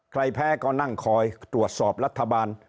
ใครแพ้ก็นั่งคอยตรวจสอบรัฐบาล